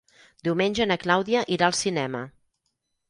Diumenge na Clàudia irà al cinema.